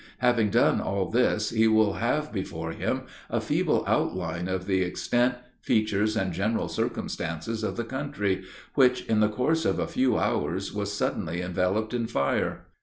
Having done all this, he will have before him a feeble outline of the extent, features, and general circumstances of the country, which, in the course of a few hours, was suddenly enveloped in fire.